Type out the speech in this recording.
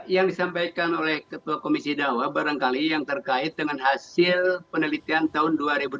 yang disampaikan oleh ketua komisi dakwah barangkali yang terkait dengan hasil penelitian tahun dua ribu delapan belas